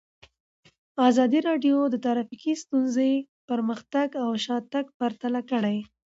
ازادي راډیو د ټرافیکي ستونزې پرمختګ او شاتګ پرتله کړی.